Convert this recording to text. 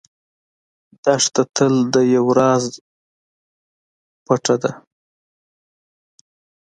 دښته تل د یو راز پټه ده.